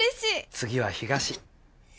次は東。